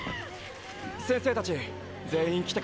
先生たち全員来てください。